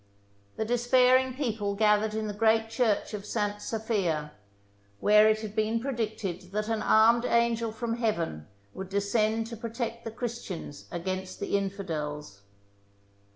The despairing people gathered in the great Church of St. Sophia, where it had been predicted that an armed angel from heaven would descend to protect the Christians against the in fidels.